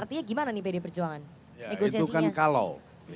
iya kan kalau